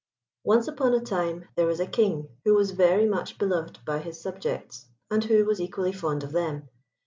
Once upon a time there was a King who was very much beloved by his subjects, and who was equally fond of them.